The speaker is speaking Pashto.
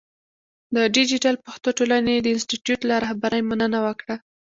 د دیجیټل پښتو ټولنې د انسټیټوت له رهبرۍ مننه وکړه.